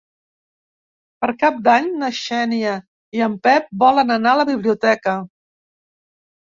Per Cap d'Any na Xènia i en Pep volen anar a la biblioteca.